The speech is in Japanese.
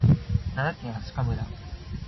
奈良県明日香村